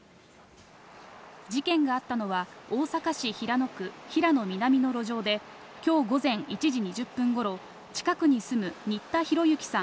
事件があったのは大阪市平野区平野南の路上で、今日午前１時２０分頃、近くに住む新田浩之さん